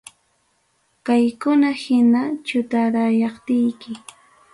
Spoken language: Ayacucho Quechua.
Kaykuna hina chutarayaptiki